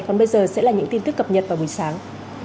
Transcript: còn bây giờ sẽ là những tin tức cập nhật vào buổi sáng